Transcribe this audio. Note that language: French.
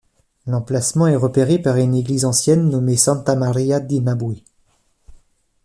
L'emplacement est repéré par une église ancienne nommée Santa Maria di Nabui.